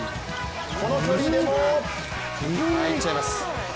この距離でも入っちゃいます。